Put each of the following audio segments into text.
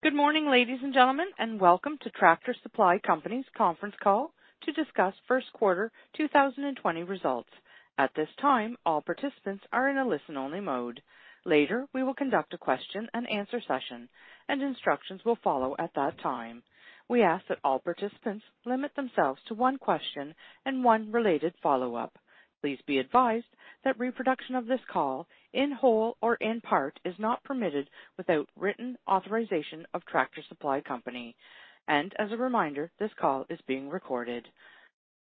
Good morning, ladies and gentlemen, welcome to Tractor Supply Company's conference call to discuss first quarter 2020 results. At this time, all participants are in a listen-only mode. Later, we will conduct a question and answer session, instructions will follow at that time. We ask that all participants limit themselves to one question and one related follow-up. Please be advised that reproduction of this call, in whole or in part, is not permitted without written authorization of Tractor Supply Company. As a reminder, this call is being recorded.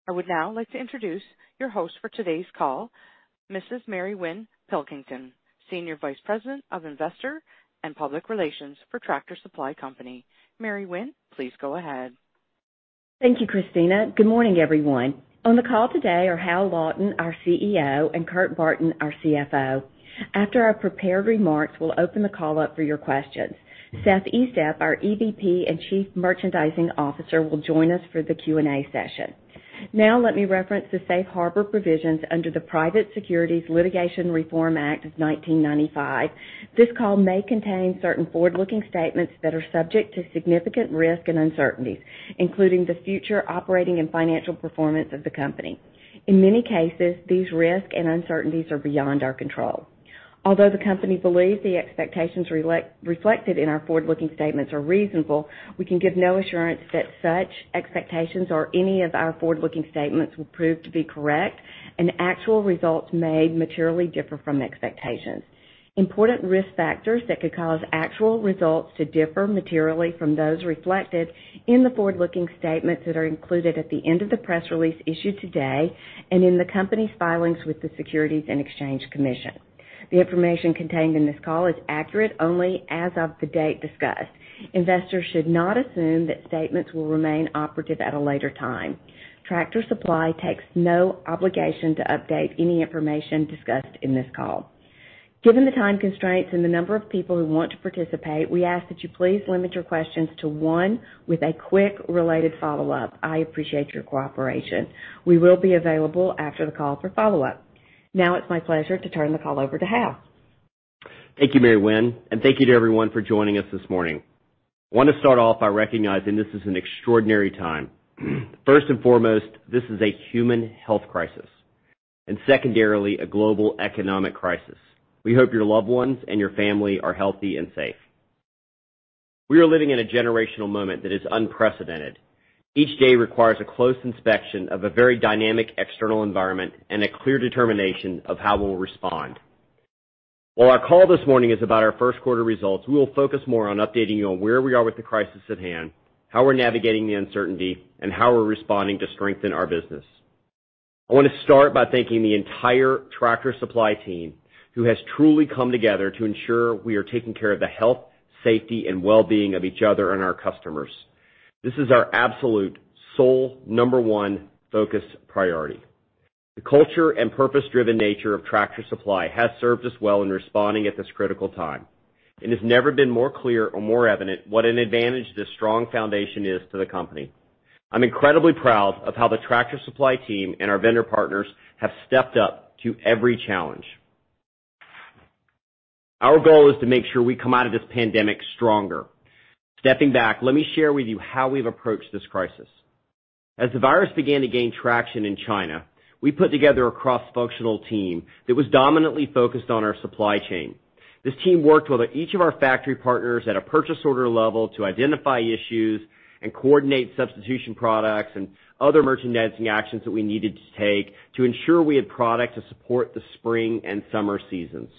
I would now like to introduce your host for today's call, Mrs. Mary Winn Pilkington, Senior Vice President of Investor and Public Relations for Tractor Supply Company. Mary Winn, please go ahead. Thank you, Christina. Good morning, everyone. On the call today are Hal Lawton, our CEO, and Kurt Barton, our CFO. After our prepared remarks, we'll open the call up for your questions. Seth Estep, our EVP and Chief Merchandising Officer, will join us for the Q&A session. Let me reference the safe harbor provisions under the Private Securities Litigation Reform Act of 1995. This call may contain certain forward-looking statements that are subject to significant risk and uncertainties, including the future operating and financial performance of the company. In many cases, these risks and uncertainties are beyond our control. Although the company believes the expectations reflected in our forward-looking statements are reasonable, we can give no assurance that such expectations or any of our forward-looking statements will prove to be correct, and actual results may materially differ from expectations. Important risk factors that could cause actual results to differ materially from those reflected in the forward-looking statements that are included at the end of the press release issued today and in the company's filings with the Securities and Exchange Commission. The information contained in this call is accurate only as of the date discussed. Investors should not assume that statements will remain operative at a later time. Tractor Supply takes no obligation to update any information discussed in this call. Given the time constraints and the number of people who want to participate, we ask that you please limit your questions to one with a quick related follow-up. I appreciate your cooperation. We will be available after the call for follow-up. Now it's my pleasure to turn the call over to Hal. Thank you, Mary Winn. Thank you to everyone for joining us this morning. We want to start off by recognizing this is an extraordinary time. First and foremost, this is a human health crisis, and secondarily, a global economic crisis. We hope your loved ones and your family are healthy and safe. We are living in a generational moment that is unprecedented. Each day requires a close inspection of a very dynamic external environment and a clear determination of how we'll respond. While our call this morning is about our first quarter results, we will focus more on updating you on where we are with the crisis at hand, how we're navigating the uncertainty, and how we're responding to strengthen our business. I want to start by thanking the entire Tractor Supply team, who has truly come together to ensure we are taking care of the health, safety, and wellbeing of each other and our customers. This is our absolute, sole, number one focus priority. The culture and purpose-driven nature of Tractor Supply has served us well in responding at this critical time. It has never been more clear or more evident what an advantage this strong foundation is to the company. I'm incredibly proud of how the Tractor Supply team and our vendor partners have stepped up to every challenge. Our goal is to make sure we come out of this pandemic stronger. Stepping back, let me share with you how we've approached this crisis. As the virus began to gain traction in China, we put together a cross-functional team that was dominantly focused on our supply chain. This team worked with each of our factory partners at a purchase order level to identify issues and coordinate substitution products and other merchandising actions that we needed to take to ensure we had product to support the spring and summer seasons.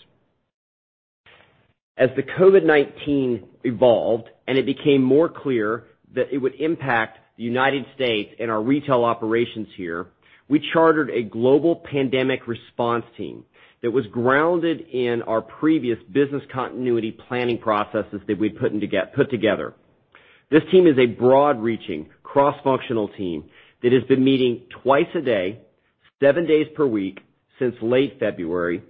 As the COVID-19 evolved and it became more clear that it would impact the United States and our retail operations here, we chartered a global pandemic response team that was grounded in our previous business continuity planning processes that we'd put together. This team is a broad-reaching, cross-functional team that has been meeting twice a day, seven days per week since late February,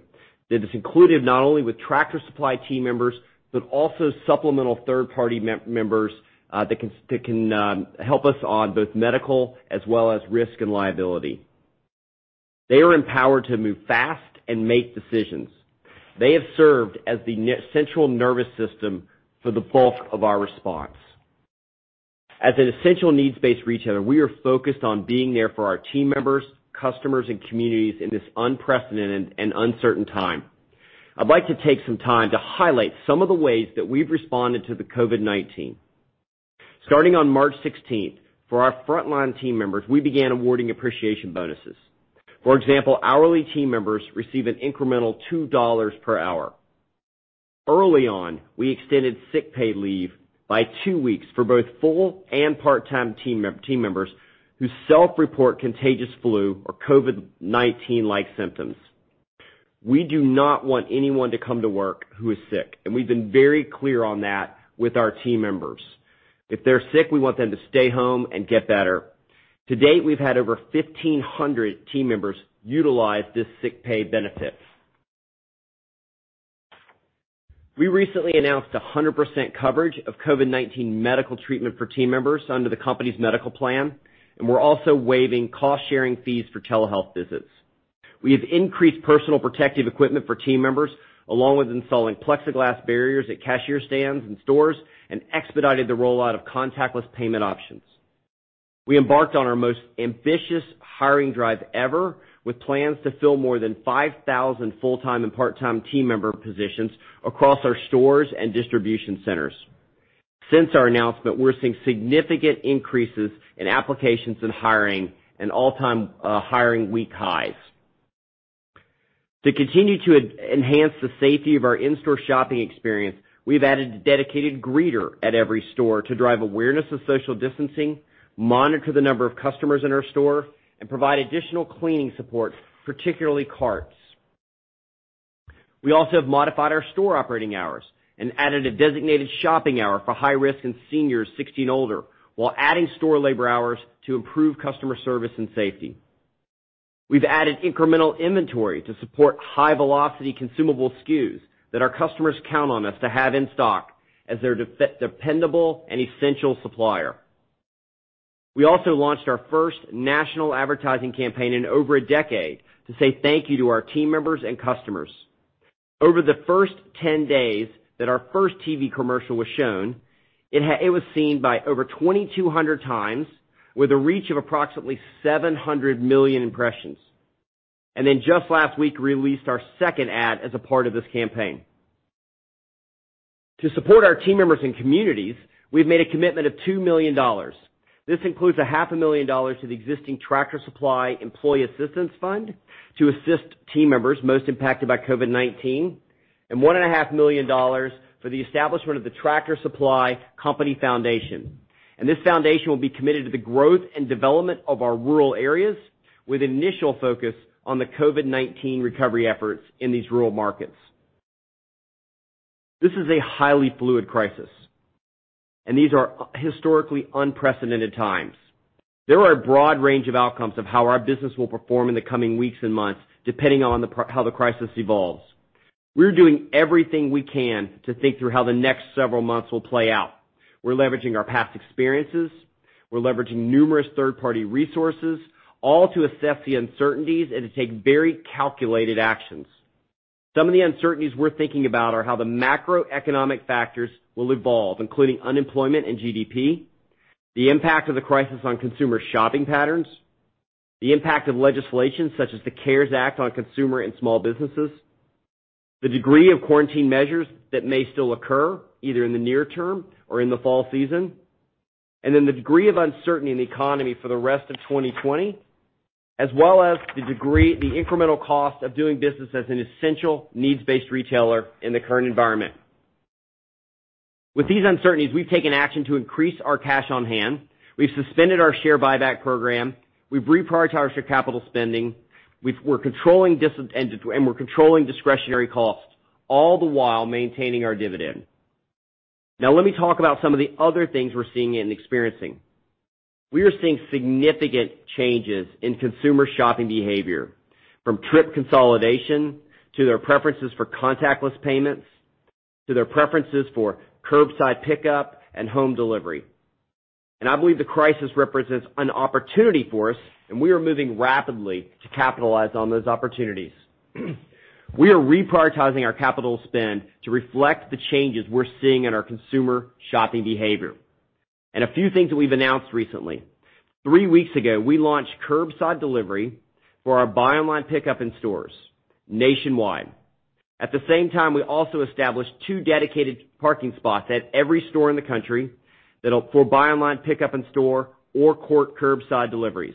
that is included not only with Tractor Supply team members but also supplemental third-party members that can help us on both medical as well as risk and liability. They are empowered to move fast and make decisions. They have served as the central nervous system for the bulk of our response. As an essential needs-based retailer, we are focused on being there for our team members, customers, and communities in this unprecedented and uncertain time. I'd like to take some time to highlight some of the ways that we've responded to the COVID-19. Starting on March 16th, for our frontline team members, we began awarding appreciation bonuses. For example, hourly team members receive an incremental $2 per hour. Early on, we extended sick pay leave by two weeks for both full and part-time team members who self-report contagious flu or COVID-19-like symptoms. We do not want anyone to come to work who is sick, and we've been very clear on that with our team members. If they're sick, we want them to stay home and get better. To date, we've had over 1,500 team members utilize this sick pay benefit. We recently announced 100% coverage of COVID-19 medical treatment for team members under the company's medical plan, and we're also waiving cost-sharing fees for telehealth visits. We have increased personal protective equipment for team members, along with installing plexiglass barriers at cashier stands in stores and expedited the rollout of contactless payment options. We embarked on our most ambitious hiring drive ever, with plans to fill more than 5,000 full-time and part-time team member positions across our stores and distribution centers. Since our announcement, we're seeing significant increases in applications and hiring and all-time hiring week highs. To continue to enhance the safety of our in-store shopping experience, we've added a dedicated greeter at every store to drive awareness of social distancing, monitor the number of customers in our store, and provide additional cleaning support, particularly carts. We also have modified our store operating hours and added a designated shopping hour for high risk and seniors 60 and older while adding store labor hours to improve customer service and safety. We've added incremental inventory to support high-velocity consumable SKUs that our customers count on us to have in stock as their dependable and essential supplier. We also launched our first national advertising campaign in over a decade to say thank you to our team members and customers. Over the first 10 days that our first TV commercial was shown, it was seen by over 2,200 times with a reach of approximately 700 million impressions, and then just last week, released our second ad as a part of this campaign. To support our team members and communities, we've made a commitment of $2 million. This includes a half a million dollars to the existing Tractor Supply Employee Assistance Fund to assist team members most impacted by COVID-19, and $1.5 million for the establishment of the Tractor Supply Company Foundation. This foundation will be committed to the growth and development of our rural areas with initial focus on the COVID-19 recovery efforts in these rural markets. This is a highly fluid crisis, and these are historically unprecedented times. There are a broad range of outcomes of how our business will perform in the coming weeks and months, depending on how the crisis evolves. We're doing everything we can to think through how the next several months will play out. We're leveraging our past experiences. We're leveraging numerous third-party resources, all to assess the uncertainties and to take very calculated actions. Some of the uncertainties we're thinking about are how the macroeconomic factors will evolve, including unemployment and GDP, the impact of the crisis on consumer shopping patterns, the impact of legislation such as the CARES Act on consumer and small businesses, the degree of quarantine measures that may still occur either in the near term or in the fall season, and the degree of uncertainty in the economy for the rest of 2020, as well as the incremental cost of doing business as an essential needs-based retailer in the current environment. With these uncertainties, we've taken action to increase our cash on hand. We've suspended our share buyback program. We've reprioritized our capital spending and we're controlling discretionary costs, all the while maintaining our dividend. Let me talk about some of the other things we're seeing and experiencing. We are seeing significant changes in consumer shopping behavior, from trip consolidation to their preferences for contactless payments, to their preferences for curbside pickup and home delivery. I believe the crisis represents an opportunity for us. We are moving rapidly to capitalize on those opportunities. We are reprioritizing our capital spend to reflect the changes we're seeing in our consumer shopping behavior. A few things that we've announced recently. Three weeks ago, we launched curbside delivery for our buy online, pickup in stores nationwide. At the same time, we also established two dedicated parking spots at every store in the country that are for buy online, pickup in store or curbside deliveries.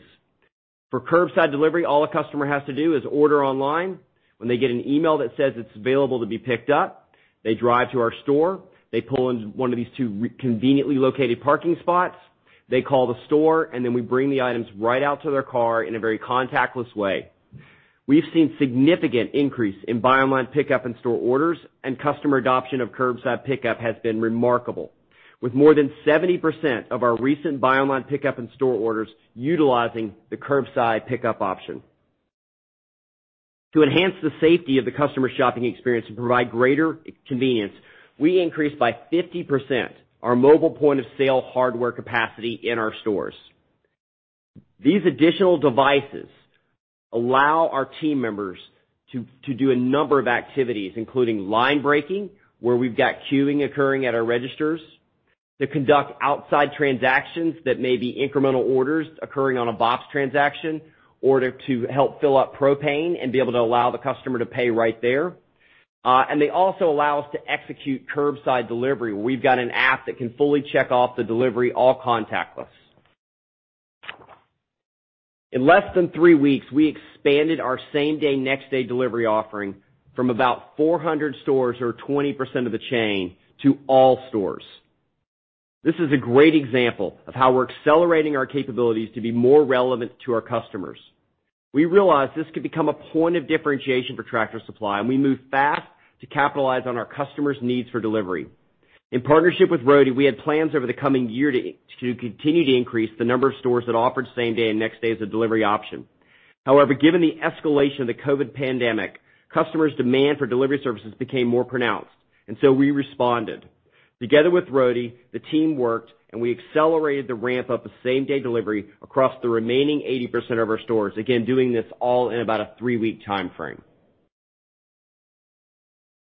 For curbside delivery, all a customer has to do is order online. When they get an email that says it's available to be picked up, they drive to our store, they pull into one of these two conveniently located parking spots, they call the store, and then we bring the items right out to their car in a very contactless way. We've seen significant increase in buy online, pickup in store orders and customer adoption of curbside pickup has been remarkable. With more than 70% of our recent buy online, pickup in store orders utilizing the curbside pickup option. To enhance the safety of the customer shopping experience and provide greater convenience, we increased by 50% our mobile point-of-sale hardware capacity in our stores. These additional devices allow our team members to do a number of activities, including line breaking, where we've got queuing occurring at our registers, to conduct outside transactions that may be incremental orders occurring on a box transaction, or to help fill up propane and be able to allow the customer to pay right there. They also allow us to execute curbside delivery. We've got an app that can fully check off the delivery, all contactless. In less than three weeks, we expanded our same-day, next-day delivery offering from about 400 stores or 20% of the chain to all stores. This is a great example of how we're accelerating our capabilities to be more relevant to our customers. We realize this could become a point of differentiation for Tractor Supply, and we moved fast to capitalize on our customers' needs for delivery. In partnership with Roadie, we had plans over the coming year to continue to increase the number of stores that offered same-day and next-day as a delivery option. However, given the escalation of the COVID pandemic, customers' demand for delivery services became more pronounced, and so we responded. Together with Roadie, the team worked, and we accelerated the ramp-up of same-day delivery across the remaining 80% of our stores. Again, doing this all in about a three-week timeframe.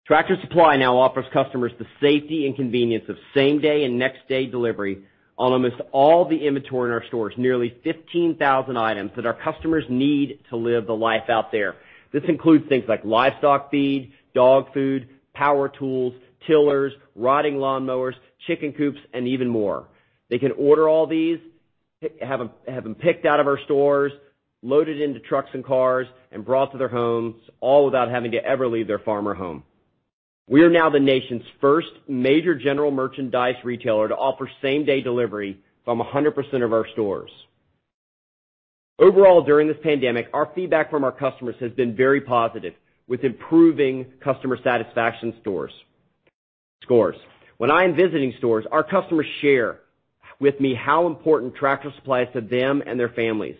Tractor Supply now offers customers the safety and convenience of same-day and next-day delivery on almost all the inventory in our stores, nearly 15,000 items that our customers need to live the life out there. This includes things like livestock feed, dog food, power tools, tillers, riding lawnmowers, chicken coops, and even more. They can order all these, have them picked out of our stores, loaded into trucks and cars, and brought to their homes, all without having to ever leave their farm or home. We are now the nation's first major general merchandise retailer to offer same-day delivery from 100% of our stores. Overall, during this pandemic, our feedback from our customers has been very positive, with improving customer satisfaction scores. When I am visiting stores, our customers share with me how important Tractor Supply is to them and their families.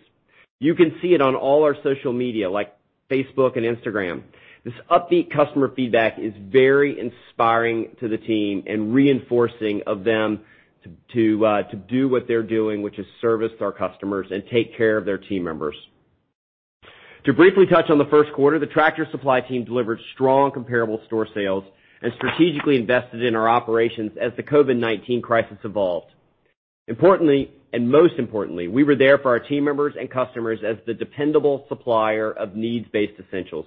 You can see it on all our social media, like Facebook and Instagram. This upbeat customer feedback is very inspiring to the team and reinforcing of them to do what they're doing, which is service to our customers and take care of their team members. To briefly touch on the first quarter, the Tractor Supply team delivered strong comparable store sales and strategically invested in our operations as the COVID-19 crisis evolved. Importantly, and most importantly, we were there for our team members and customers as the dependable supplier of needs-based essentials.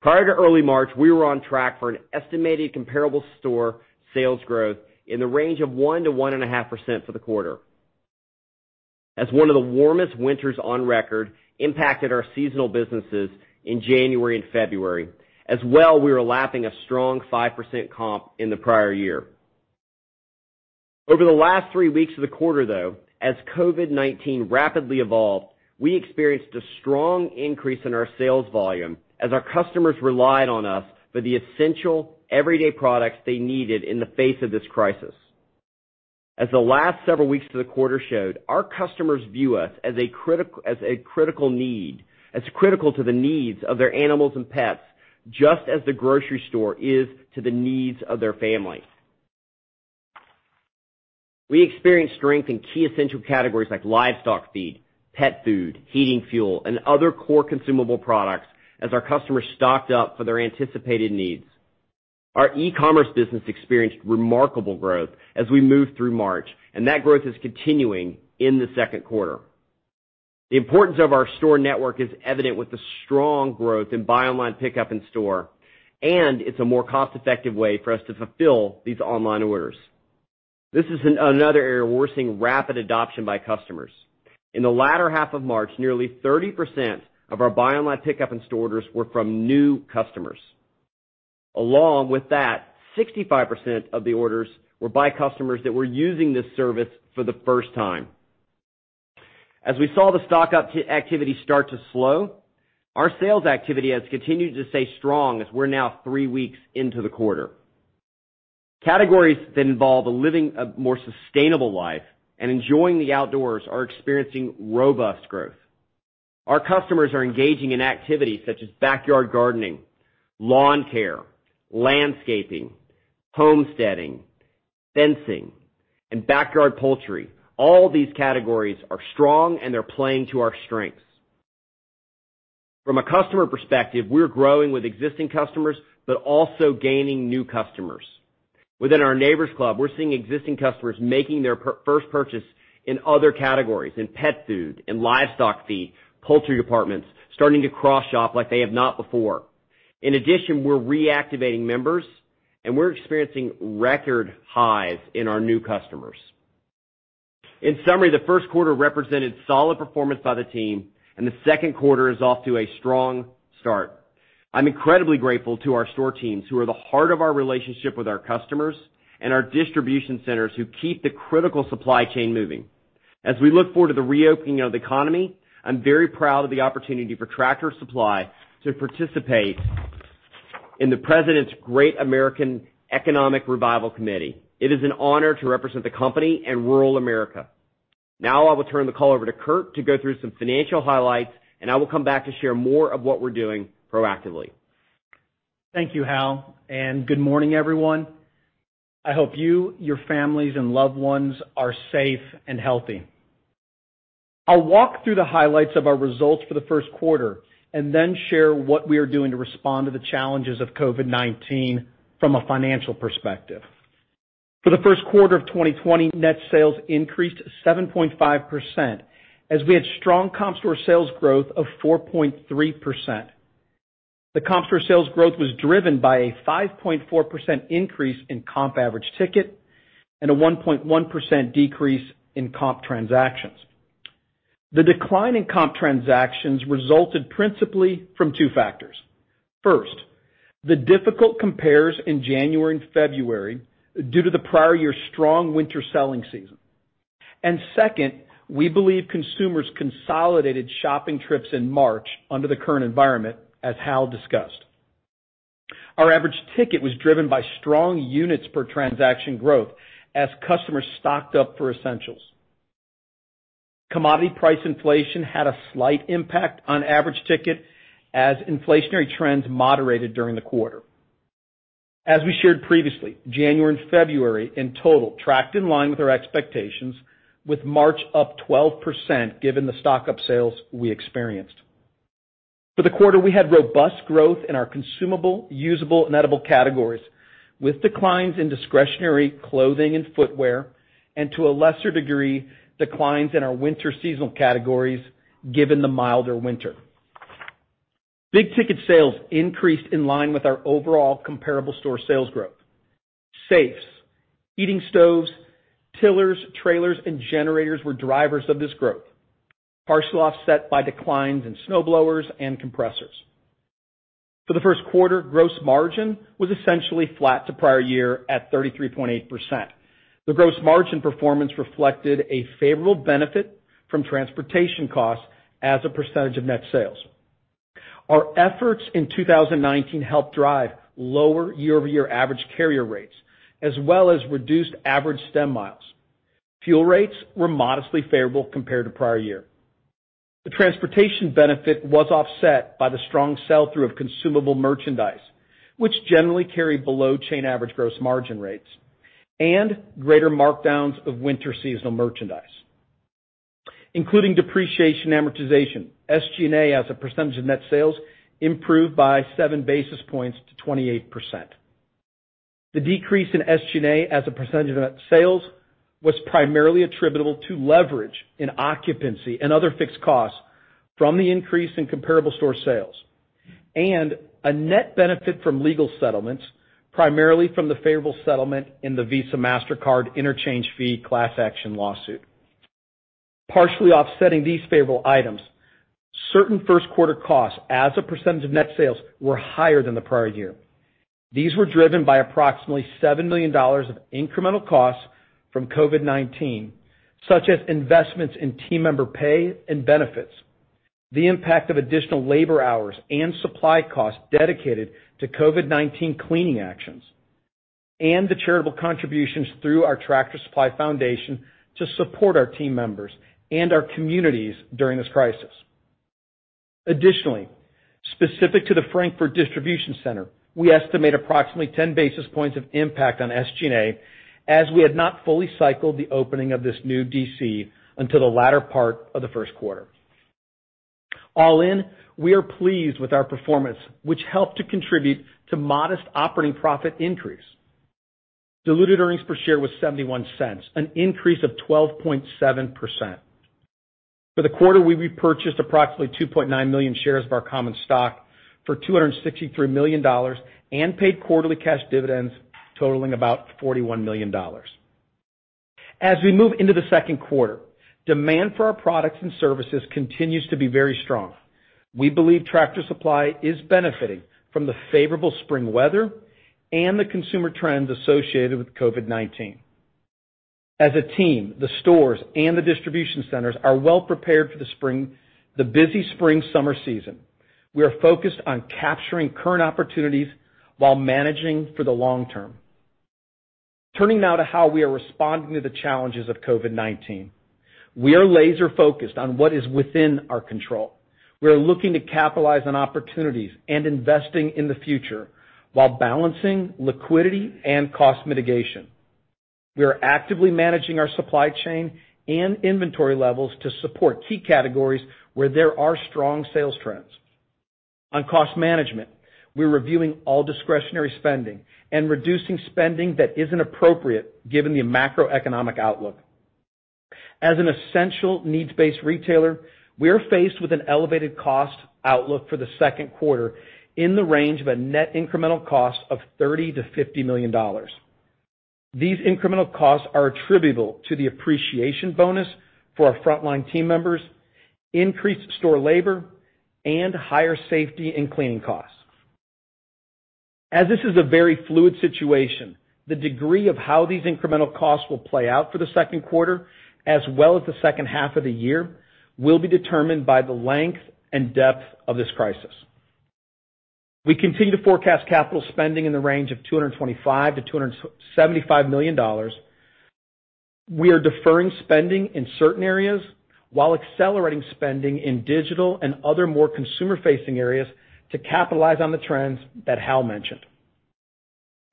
Prior to early March, we were on track for an estimated comparable store sales growth in the range of 1%-1.5% for the quarter. As one of the warmest winters on record impacted our seasonal businesses in January and February. As well, we were lapping a strong 5% comp in the prior year. Over the last three weeks of the quarter, though, as COVID-19 rapidly evolved, we experienced a strong increase in our sales volume as our customers relied on us for the essential everyday products they needed in the face of this crisis. As the last several weeks to the quarter showed, our customers view us as critical to the needs of their animals and pets, just as the grocery store is to the needs of their families. We experienced strength in key essential categories like livestock feed, pet food, heating fuel, and other core consumable products as our customers stocked up for their anticipated needs. Our e-commerce business experienced remarkable growth as we moved through March, and that growth is continuing in the second quarter. The importance of our store network is evident with the strong growth in buy online pickup in store, and it's a more cost-effective way for us to fulfill these online orders. This is another area where we're seeing rapid adoption by customers. In the latter half of March, nearly 30% of our buy online pickup in-store orders were from new customers. Along with that, 65% of the orders were by customers that were using this service for the first time. As we saw the stock-up activity start to slow, our sales activity has continued to stay strong as we're now three weeks into the quarter. Categories that involve living a more sustainable life and enjoying the outdoors are experiencing robust growth. Our customers are engaging in activities such as backyard gardening, lawn care, landscaping, homesteading, fencing, and backyard poultry. All these categories are strong, and they're playing to our strengths. From a customer perspective, we're growing with existing customers but also gaining new customers. Within our Neighbor's Club, we're seeing existing customers making their first purchase in other categories, in pet food and livestock feed, poultry departments, starting to cross-shop like they have not before. In addition, we're reactivating members, and we're experiencing record highs in our new customers. In summary, the first quarter represented solid performance by the team, and the second quarter is off to a strong start. I'm incredibly grateful to our store teams, who are the heart of our relationship with our customers, and our distribution centers who keep the critical supply chain moving. As we look forward to the reopening of the economy, I'm very proud of the opportunity for Tractor Supply to participate in the President's Great American Economic Revival Committee. It is an honor to represent the company and rural America. I will turn the call over to Kurt to go through some financial highlights, and I will come back to share more of what we're doing proactively. Thank you, Hal, and good morning, everyone. I hope you, your families, and loved ones are safe and healthy. I'll walk through the highlights of our results for the first quarter and then share what we are doing to respond to the challenges of COVID-19 from a financial perspective. For the first quarter of 2020, net sales increased 7.5% as we had strong comp store sales growth of 4.3%. The comp store sales growth was driven by a 5.4% increase in comp average ticket and a 1.1% decrease in comp transactions. The decline in comp transactions resulted principally from two factors. First, the difficult compares in January and February due to the prior year's strong winter selling season. Second, we believe consumers consolidated shopping trips in March under the current environment, as Hal discussed. Our average ticket was driven by strong units per transaction growth as customers stocked up for essentials. Commodity price inflation had a slight impact on average ticket as inflationary trends moderated during the quarter. As we shared previously, January and February in total tracked in line with our expectations, with March up 12% given the stock-up sales we experienced. For the quarter, we had robust growth in our consumable, usable, and edible categories, with declines in discretionary clothing and footwear, and to a lesser degree, declines in our winter seasonal categories, given the milder winter. Big-ticket sales increased in line with our overall comparable store sales growth. Safes, heating stoves, tillers, trailers, and generators were drivers of this growth, partially offset by declines in snowblowers and compressors. For the first quarter, gross margin was essentially flat to prior year at 33.8%. The gross margin performance reflected a favorable benefit from transportation costs as a percentage of net sales. Our efforts in 2019 helped drive lower year-over-year average carrier rates, as well as reduced average stem miles. Fuel rates were modestly favorable compared to prior year. The transportation benefit was offset by the strong sell-through of consumable merchandise, which generally carry below chain average gross margin rates, and greater markdowns of winter seasonal merchandise. Including depreciation amortization, SG&A as a percentage of net sales improved by seven basis points to 28%. The decrease in SG&A as a percentage of net sales was primarily attributable to leverage in occupancy and other fixed costs from the increase in comparable store sales and a net benefit from legal settlements, primarily from the favorable settlement in the Visa/Mastercard interchange fee class action lawsuit. Partially offsetting these favorable items, certain first quarter costs as a percentage of net sales were higher than the prior year. These were driven by approximately $7 million of incremental costs from COVID-19, such as investments in team member pay and benefits, the impact of additional labor hours and supply costs dedicated to COVID-19 cleaning actions, and the charitable contributions through our Tractor Supply Foundation to support our team members and our communities during this crisis. Additionally, specific to the Frankfort Distribution Center, we estimate approximately 10 basis points of impact on SG&A, as we had not fully cycled the opening of this new DC until the latter part of the first quarter. All in, we are pleased with our performance, which helped to contribute to modest operating profit increase. Diluted earnings per share was $0.71, an increase of 12.7%. For the quarter, we repurchased approximately 2.9 million shares of our common stock for $263 million and paid quarterly cash dividends totaling about $41 million. As we move into the second quarter, demand for our products and services continues to be very strong. We believe Tractor Supply is benefiting from the favorable spring weather and the consumer trends associated with COVID-19. As a team, the stores and the distribution centers are well-prepared for the busy spring-summer season. We are focused on capturing current opportunities while managing for the long term. Turning now to how we are responding to the challenges of COVID-19. We are laser-focused on what is within our control. We are looking to capitalize on opportunities and investing in the future while balancing liquidity and cost mitigation. We are actively managing our supply chain and inventory levels to support key categories where there are strong sales trends. On cost management, we're reviewing all discretionary spending and reducing spending that isn't appropriate given the macroeconomic outlook. As an essential needs-based retailer, we are faced with an elevated cost outlook for the second quarter in the range of a net incremental cost of $30 million-$50 million. These incremental costs are attributable to the appreciation bonus for our frontline team members, increased store labor, and higher safety and cleaning costs. As this is a very fluid situation, the degree of how these incremental costs will play out for the second quarter as well as the second half of the year, will be determined by the length and depth of this crisis. We continue to forecast capital spending in the range of $225 million-$275 million. We are deferring spending in certain areas while accelerating spending in digital and other more consumer-facing areas to capitalize on the trends that Hal mentioned.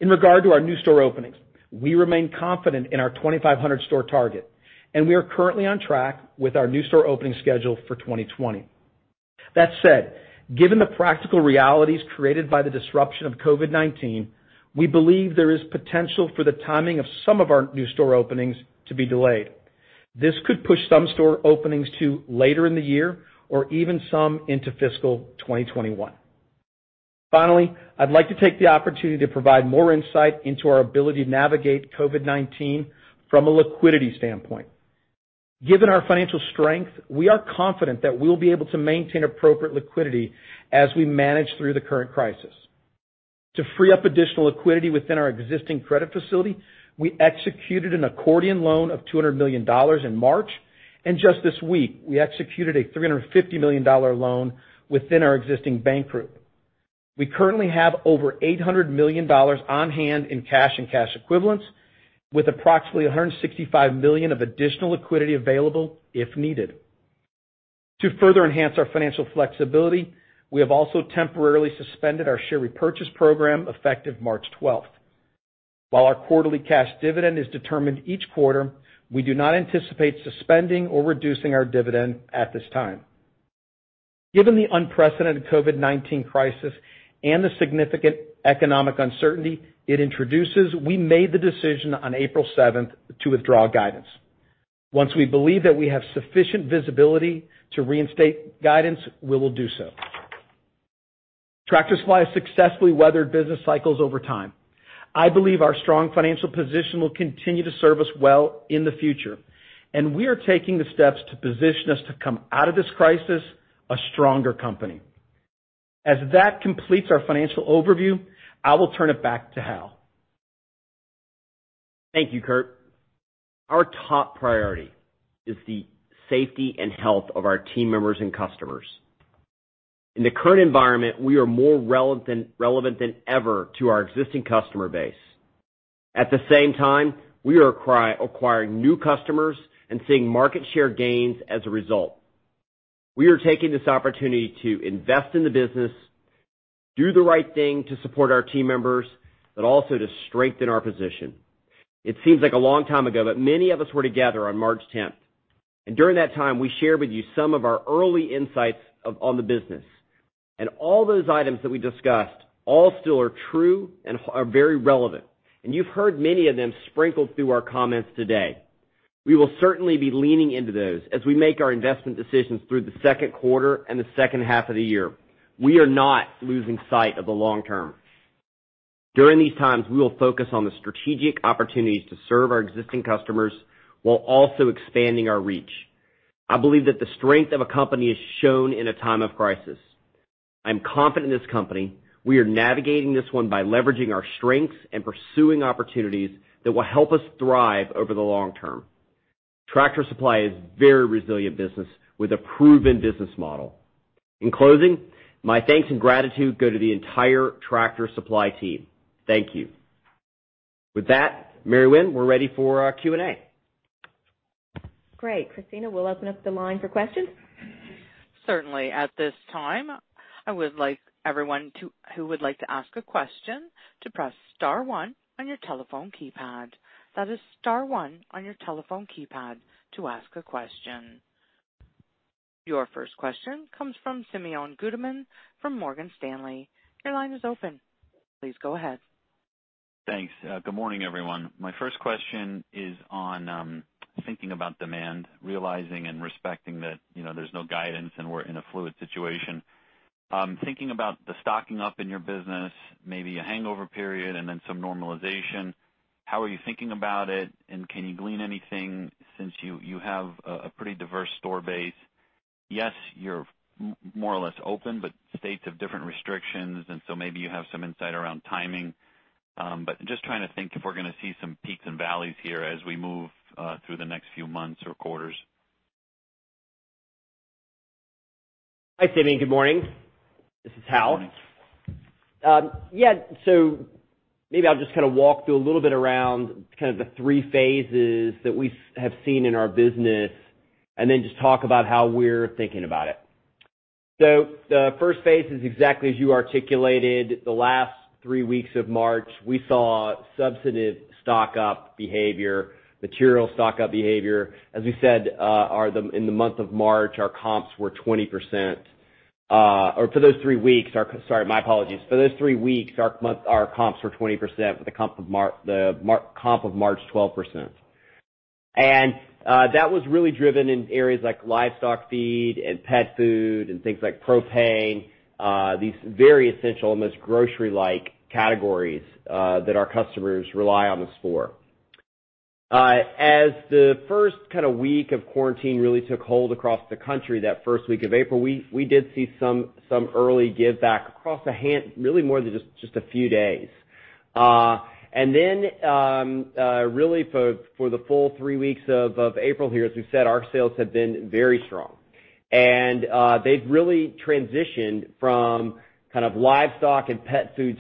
In regard to our new store openings, we remain confident in our 2,500 store target, and we are currently on track with our new store opening schedule for 2020. That said, given the practical realities created by the disruption of COVID-19, we believe there is potential for the timing of some of our new store openings to be delayed. This could push some store openings to later in the year or even some into fiscal 2021. Finally, I'd like to take the opportunity to provide more insight into our ability to navigate COVID-19 from a liquidity standpoint. Given our financial strength, we are confident that we'll be able to maintain appropriate liquidity as we manage through the current crisis. To free up additional liquidity within our existing credit facility, we executed an accordion loan of $200 million in March, and just this week, we executed a $350 million loan within our existing bank group. We currently have over $800 million on hand in cash and cash equivalents, with approximately $165 million of additional liquidity available if needed. To further enhance our financial flexibility, we have also temporarily suspended our share repurchase program effective March 12th. While our quarterly cash dividend is determined each quarter, we do not anticipate suspending or reducing our dividend at this time. Given the unprecedented COVID-19 crisis and the significant economic uncertainty it introduces, we made the decision on April 7th to withdraw guidance. Once we believe that we have sufficient visibility to reinstate guidance, we will do so. Tractor Supply has successfully weathered business cycles over time. I believe our strong financial position will continue to serve us well in the future, and we are taking the steps to position us to come out of this crisis a stronger company. As that completes our financial overview, I will turn it back to Hal. Thank you, Kurt. Our top priority is the safety and health of our team members and customers. In the current environment, we are more relevant than ever to our existing customer base. At the same time, we are acquiring new customers and seeing market share gains as a result. We are taking this opportunity to invest in the business, do the right thing to support our team members, but also to strengthen our position. It seems like a long time ago, but many of us were together on March 10th, and during that time, we shared with you some of our early insights on the business. All those items that we discussed all still are true and are very relevant. You've heard many of them sprinkled through our comments today. We will certainly be leaning into those as we make our investment decisions through the second quarter and the second half of the year. We are not losing sight of the long term. During these times, we will focus on the strategic opportunities to serve our existing customers while also expanding our reach. I believe that the strength of a company is shown in a time of crisis. I'm confident in this company. We are navigating this one by leveraging our strengths and pursuing opportunities that will help us thrive over the long term. Tractor Supply is very resilient business with a proven business model. In closing, my thanks and gratitude go to the entire Tractor Supply team. Thank you. With that, Mary Winn, we're ready for our Q&A. Great. Christina, we'll open up the line for questions. Certainly. At this time, I would like everyone who would like to ask a question to press star one on your telephone keypad. That is star one on your telephone keypad to ask a question. Your first question comes from Simeon Gutman from Morgan Stanley. Your line is open. Please go ahead. Thanks. Good morning, everyone. My first question is on thinking about demand, realizing and respecting that there's no guidance and we're in a fluid situation. Thinking about the stocking up in your business, maybe a hangover period and then some normalization, how are you thinking about it? Can you glean anything since you have a pretty diverse store base? Yes, you're more or less open, but states have different restrictions, and so maybe you have some insight around timing. Just trying to think if we're going to see some peaks and valleys here as we move through the next few months or quarters. Hi, Simeon. Good morning. This is Hal. Morning. Yeah. Maybe I'll just kind of walk through a little bit around kind of the three phases that we have seen in our business and then just talk about how we're thinking about it. The first phase is exactly as you articulated. The last three weeks of March, we saw substantive stock-up behavior, material stock-up behavior. As we said, in the month of March, our comps were 20%. For those three weeks, sorry, my apologies. For those three weeks, our comps were 20%, with the comp of March 12%. That was really driven in areas like livestock feed and pet food and things like propane these very essential, almost grocery-like categories that our customers rely on us for. The first kind of week of quarantine really took hold across the country, that first week of April, we did see some early give back across really more than just a few days. Really for the full three weeks of April here, as we've said, our sales have been very strong. They've really transitioned from kind of livestock and pet food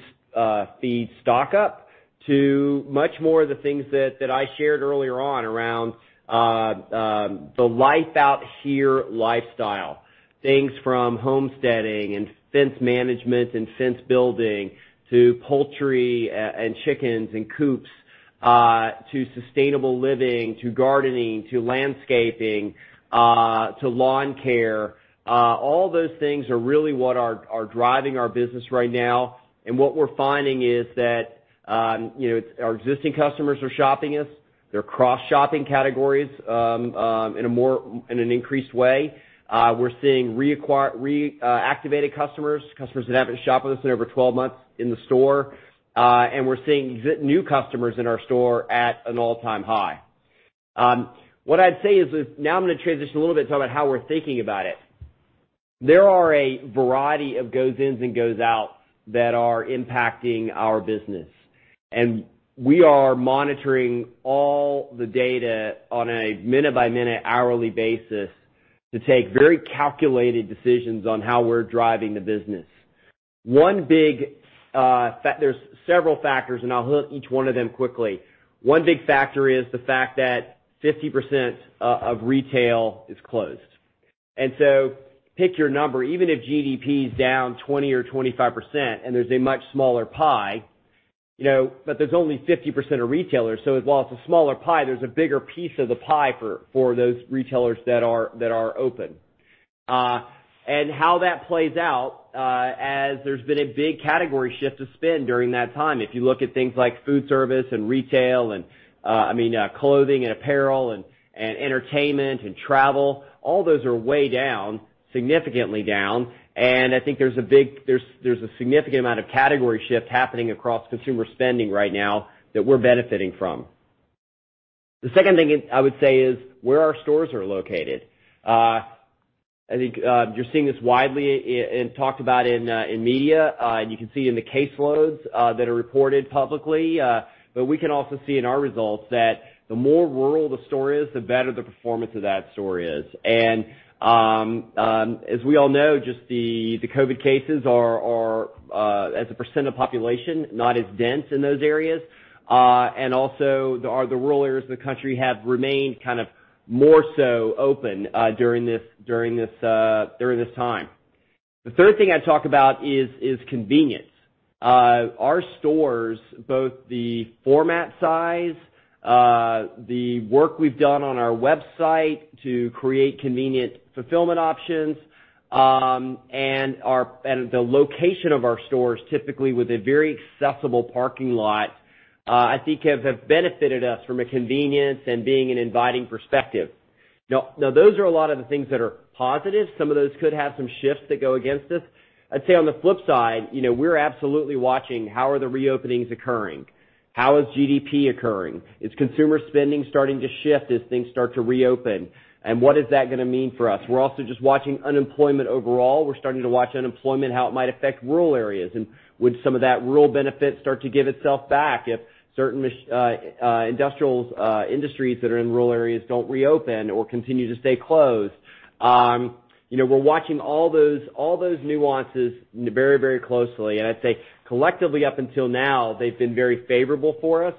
feed stock-up to much more of the things that I shared earlier on around the life out here lifestyle. Things from homesteading and fence management and fence building to poultry and chickens and coops to sustainable living, to gardening, to landscaping to lawn care. All those things are really what are driving our business right now. What we're finding is that our existing customers are shopping us. They're cross-shopping categories in an increased way. We're seeing reactivated customers that haven't shopped with us in over 12 months in the store. We're seeing new customers in our store at an all-time high. What I'd say is now I'm going to transition a little bit and talk about how we're thinking about it. There are a variety of goes ins and goes out that are impacting our business, and we are monitoring all the data on a minute-by-minute, hourly basis to take very calculated decisions on how we're driving the business. There's several factors. I'll hit each one of them quickly. One big factor is the fact that 50% of retail is closed. Pick your number, even if GDP is down 20 or 25% and there's a much smaller pie, there's only 50% of retailers. While it's a smaller pie, there's a bigger piece of the pie for those retailers that are open. How that plays out, as there's been a big category shift of spend during that time. If you look at things like food service and retail and clothing and apparel and entertainment and travel, all those are way down, significantly down, and I think there's a significant amount of category shift happening across consumer spending right now that we're benefiting from. The second thing I would say is where our stores are located. I think you're seeing this widely and talked about in media, and you can see in the caseloads that are reported publicly, but we can also see in our results that the more rural the store is, the better the performance of that store is. As we all know, just the COVID cases are, as a % of population, not as dense in those areas. Also, the rural areas of the country have remained more so open during this time. The third thing I'd talk about is convenience. Our stores, both the format size, the work we've done on our website to create convenient fulfillment options, and the location of our stores, typically with a very accessible parking lot, I think have benefited us from a convenience and being an inviting perspective. Now, those are a lot of the things that are positive. Some of those could have some shifts that go against us. I'd say on the flip side, we're absolutely watching, how are the reopenings occurring? How is GDP occurring? Is consumer spending starting to shift as things start to reopen? What is that going to mean for us? We're also just watching unemployment overall. We're starting to watch unemployment, how it might affect rural areas, and would some of that rural benefit start to give itself back if certain industries that are in rural areas don't reopen or continue to stay closed? We're watching all those nuances very closely. I'd say, collectively up until now, they've been very favorable for us.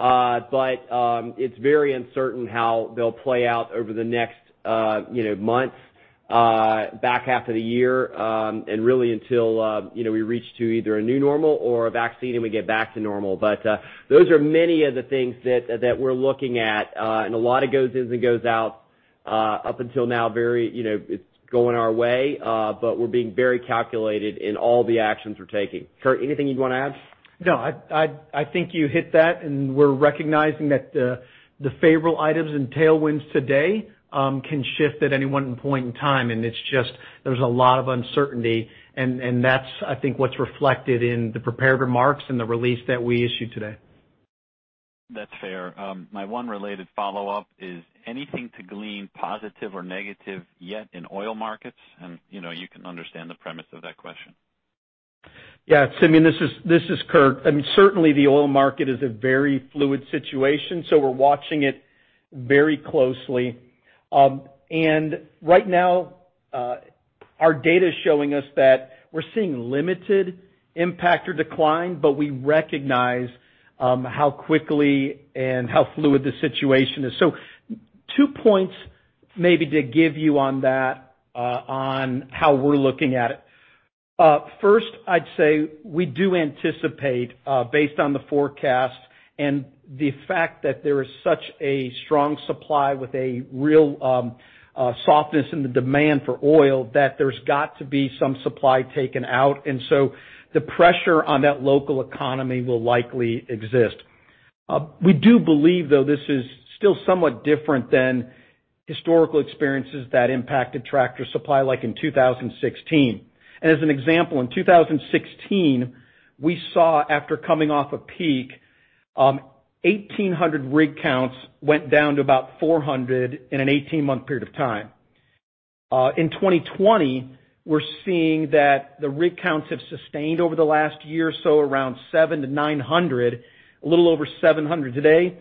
It's very uncertain how they'll play out over the next months, back half of the year, and really until we reach to either a new normal or a vaccine and we get back to normal. Those are many of the things that we're looking at. A lot of it goes in and goes out. Up until now, it's going our way, but we're being very calculated in all the actions we're taking. Kurt, anything you'd want to add? No, I think you hit that, and we're recognizing that the favorable items and tailwinds today can shift at any one point in time. It's just there's a lot of uncertainty, and that's, I think, what's reflected in the prepared remarks and the release that we issued today. That's fair. My one related follow-up is anything to glean positive or negative yet in oil markets? You can understand the premise of that question. Yeah. Simeon, this is Kurt. Certainly, the oil market is a very fluid situation, so we're watching it very closely. Right now, our data's showing us that we're seeing limited impact or decline, but we recognize how quickly and how fluid the situation is. Two points maybe to give you on that on how we're looking at it. First, I'd say we do anticipate, based on the forecast and the fact that there is such a strong supply with a real softness in the demand for oil, that there's got to be some supply taken out. The pressure on that local economy will likely exist. We do believe, though, this is still somewhat different than historical experiences that impacted Tractor Supply, like in 2016. As an example, in 2016, we saw after coming off a peak, 1,800 rig counts went down to about 400 in an 18-month period of time. In 2020, we're seeing that the rig counts have sustained over the last year or so around 700 to 900, a little over 700 today.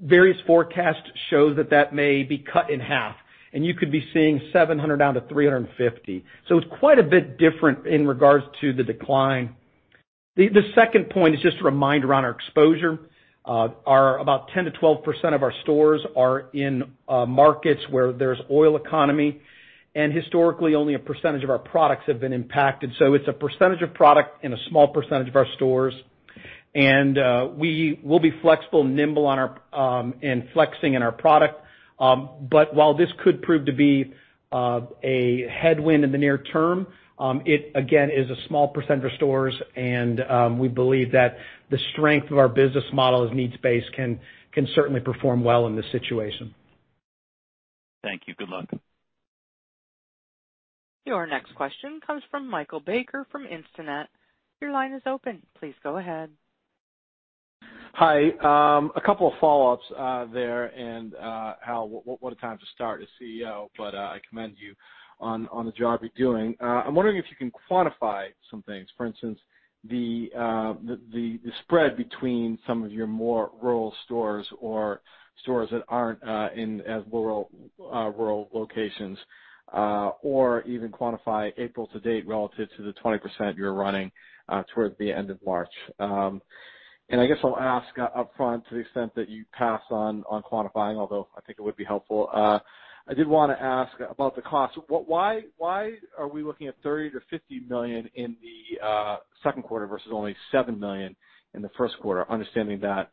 Various forecasts show that that may be cut in half, and you could be seeing 700 down to 350. It's quite a bit different in regards to the decline. The second point is just a reminder on our exposure. About 10%-12% of our stores are in markets where there's oil economy, and historically, only a percentage of our products have been impacted. So it's a percentage of product in a small percentage of our stores. We will be flexible and nimble in flexing in our product. While this could prove to be a headwind in the near term, it again is a small % of stores, and we believe that the strength of our business model as needs-based can certainly perform well in this situation. Thank you. Good luck. Your next question comes from Michael Baker from Instinet. Your line is open. Please go ahead. Hi. A couple of follow-ups there. Hal, what a time to start as CEO. I commend you on the job you're doing. I'm wondering if you can quantify some things. For instance, the spread between some of your more rural stores or stores that aren't in as rural locations, or even quantify April to date relative to the 20% you're running towards the end of March. I guess I'll ask upfront, to the extent that you pass on quantifying, although I think it would be helpful. I did want to ask about the cost. Why are we looking at $30 million-$50 million in the second quarter versus only $7 million in the first quarter, understanding that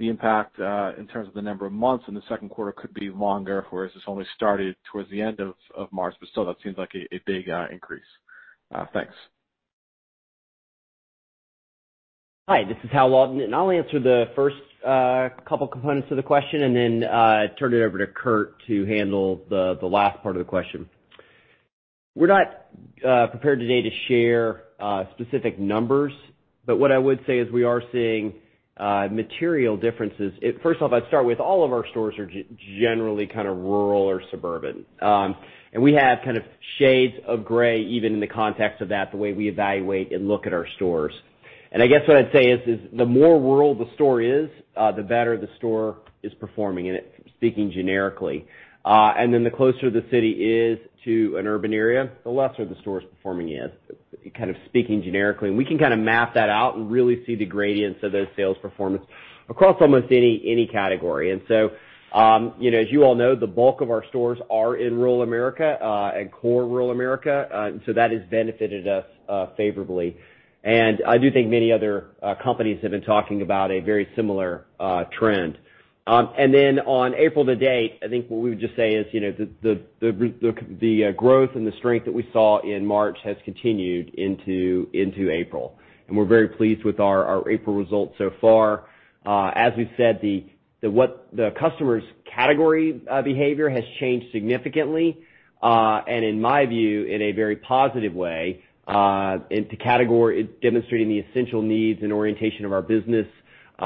the impact, in terms of the number of months in the second quarter, could be longer, whereas this only started towards the end of March, but still, that seems like a big increase. Thanks. Hi, this is Hal Lawton, I'll answer the first couple components of the question then turn it over to Kurt to handle the last part of the question. We're not prepared today to share specific numbers, what I would say is we are seeing material differences. First off, I'd start with all of our stores are generally kind of rural or suburban. We have shades of gray, even in the context of that, the way we evaluate and look at our stores. I guess what I'd say is, the more rural the store is, the better the store is performing in it, speaking generically. Then the closer the city is to an urban area, the lesser the store is performing, kind of speaking generically. We can map that out and really see the gradients of those sales performance across almost any category. As you all know, the bulk of our stores are in rural America, at core rural America. That has benefited us favorably. I do think many other companies have been talking about a very similar trend. On April to date, I think what we would just say is, the growth and the strength that we saw in March has continued into April, and we're very pleased with our April results so far. As we've said, the customer's category behavior has changed significantly, and in my view, in a very positive way, demonstrating the essential needs and orientation of our business,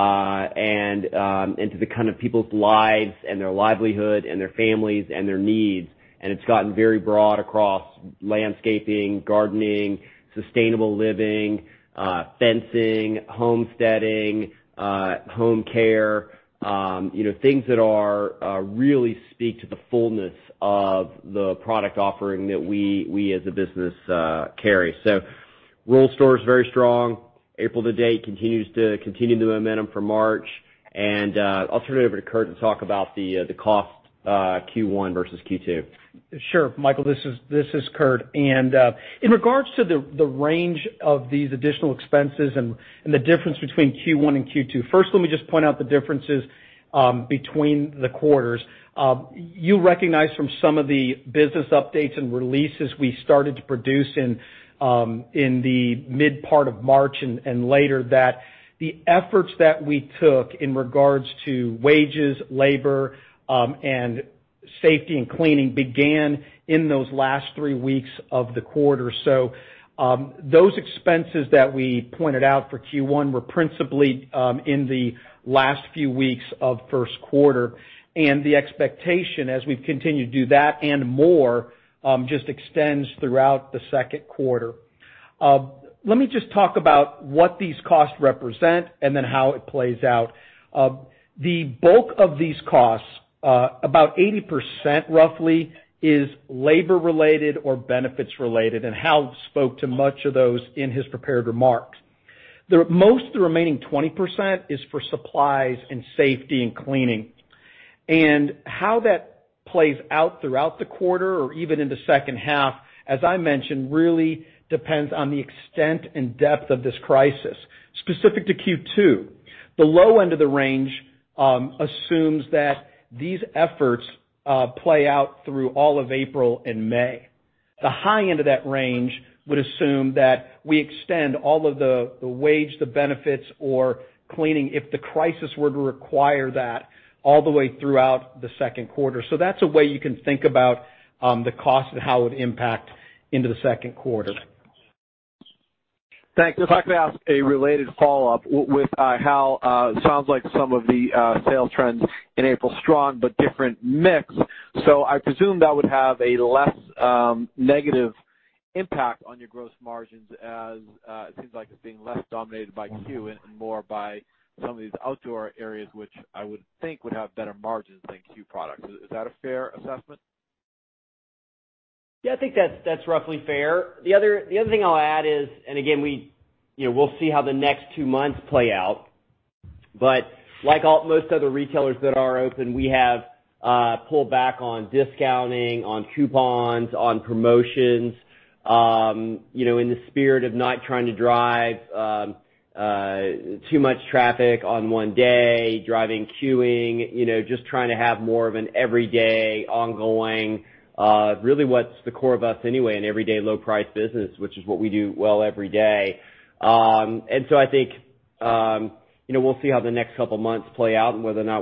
and to the kind of people's lives and their livelihood and their families and their needs. It's gotten very broad across landscaping, gardening, sustainable living, fencing, homesteading, home care, things that really speak to the fullness of the product offering that we as a business carry. Rural stores, very strong. April to date continues the momentum from March. I'll turn it over to Kurt to talk about the cost Q1 versus Q2. Sure. Michael, this is Kurt. In regards to the range of these additional expenses and the difference between Q1 and Q2, first, let me just point out the differences between the quarters. You recognize from some of the business updates and releases we started to produce in the mid part of March and later, that the efforts that we took in regards to wages, labor, and safety and cleaning began in those last three weeks of the quarter. Those expenses that we pointed out for Q1 were principally in the last few weeks of first quarter. The expectation, as we've continued to do that and more, just extends throughout the second quarter. Let me just talk about what these costs represent and then how it plays out. The bulk of these costs, about 80% roughly, is labor related or benefits related. Hal spoke to much of those in his prepared remarks. Most of the remaining 20% is for supplies in safety and cleaning. How that plays out throughout the quarter or even in the second half, as I mentioned, really depends on the extent and depth of this crisis. Specific to Q2, the low end of the range assumes that these efforts play out through all of April and May. The high end of that range would assume that we extend all of the wage, the benefits, or cleaning, if the crisis were to require that, all the way throughout the second quarter. That's a way you can think about the cost and how it would impact into the second quarter. Thanks. If I could ask a related follow-up with Hal. Sounds like some of the sales trends in April is strong but different mix. I presume that would have a less negative impact on your gross margins, as it seems like it's being less dominated by C.U.E. and more by some of these outdoor areas, which I would think would have better margins than C.U.E. products. Is that a fair assessment? Yeah, I think that's roughly fair. The other thing I'll add is, again, we'll see how the next two months play out, like most other retailers that are open, we have pulled back on discounting, on coupons, on promotions, in the spirit of not trying to drive too much traffic on one day, driving queueing. Just trying to have more of an everyday ongoing, really what's the core of us anyway, an everyday low price business, which is what we do well every day. I think, we'll see how the next couple of months play out and how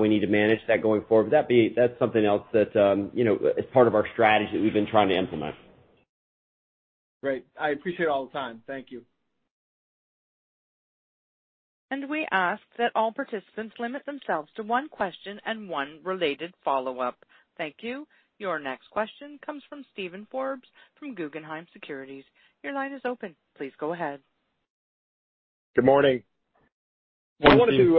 we need to manage that going forward. That's something else that is part of our strategy that we've been trying to implement. Great. I appreciate all the time. Thank you. We ask that all participants limit themselves to one question and one related follow-up. Thank you. Your next question comes from Steven Forbes from Guggenheim Securities. Your line is open. Please go ahead. Good morning. Good morning.